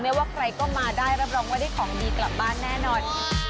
ว่าใครก็มาได้รับรองว่าได้ของดีกลับบ้านแน่นอน